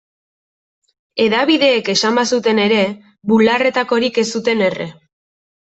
Hedabideek esan bazuten ere, bularretakorik ez zuten erre.